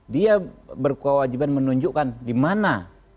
dia berkewajiban menunjukkan di mana